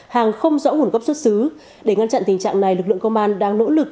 hàng không rõ nguồn gốc xuất xứ để ngăn chặn tình trạng này lực lượng công an đang nỗ lực